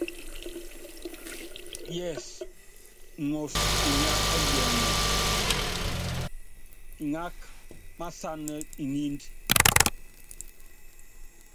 Yɛs ŋɔs kunya ɛliɛŋɛ iŋák masán iŋínd.